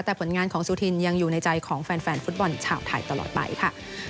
แต่ผลงานของสุธินยังอยู่ในใจของแฟนฟุตบอลชาวไทยตลอดไปค่ะ